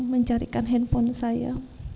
mencarikan handphone saya